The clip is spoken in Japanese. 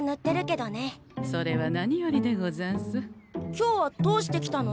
今日はどうして来たの？